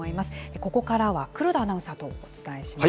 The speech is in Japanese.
ここからは黒田アナウンサーとお伝えします。